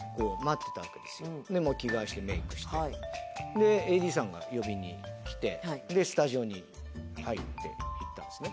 でＡＤさんが呼びに来てスタジオに入っていったんですね。